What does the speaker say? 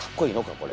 これ。